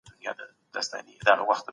ځينې انځورونه وروسته له وېبپاڼو لرې شول.